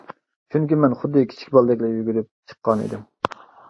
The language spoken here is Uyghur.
چۈنكى مەن خۇددى كىچىك بالىدەكلا يۈگۈرۈپ چىققان ئىدىم.